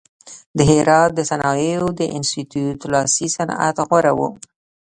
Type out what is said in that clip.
د هرات د صنایعو د انستیتیوت لاسي صنعت غوره و.